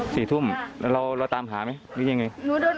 สามศพนี้